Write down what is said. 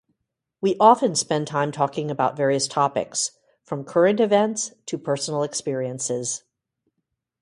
We often spend time talking about various topics, from current events to personal experiences.